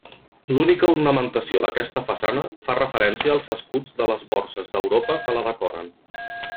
L'única ornamentació d'aquesta façana fa referència als escuts de les borses d'Europa que la decoren.